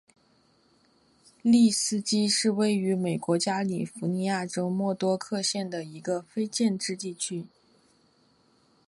利斯基是位于美国加利福尼亚州莫多克县的一个非建制地区。